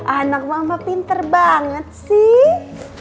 anak mama pinter banget sih